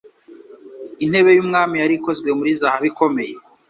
Intebe y'umwami yari ikozwe muri zahabu ikomeye.